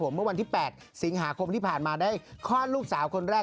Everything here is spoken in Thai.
เมื่อวันที่๘สิงหาคมที่ผ่านมาได้คลอดลูกสาวคนแรก